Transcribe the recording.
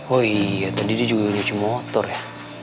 oh iya tadi dia juga nyuci motor ya